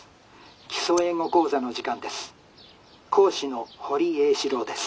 『基礎英語講座』の時間です。